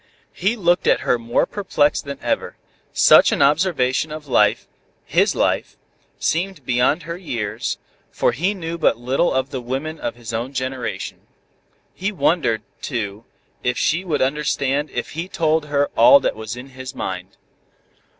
He looked at her more perplexed than ever. Such an observation of life, his life, seemed beyond her years, for he knew but little of the women of his own generation. He wondered, too, if she would understand if he told her all that was in his mind.